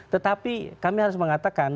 tetapi kami harus mengatakan